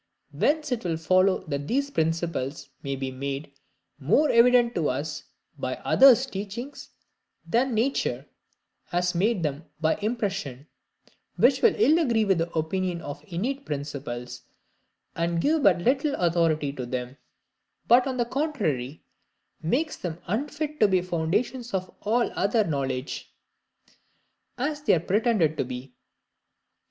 Whence it will follow that these principles may be made more evident to us by others' teaching than nature has made them by impression: which will ill agree with the opinion of innate principles, and give but little authority to them; but, on the contrary, makes them unfit to be the foundations of all our other knowledge; as they are pretended to be.